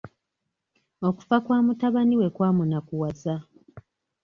Okufa kwa mutabani we kwamunakuwaza.